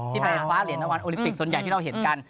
ที่แปลควาเหรอินวัลโออลิฟปิกส่วนใหญ่ที่เราเห็นกัน